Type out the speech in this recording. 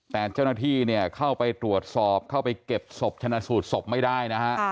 แต่เจ้าหน้าที่เข้าไปตรวจสอบเข้าไปเก็บสบชนะสูดสบไม่ได้